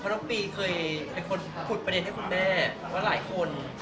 เพราะน้องปีเคยเป็นคนขุดประเด็นให้คุณแม่ว่าหลายคน